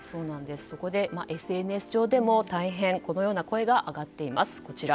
そこで、ＳＮＳ上でも大変、このような声が上がっています。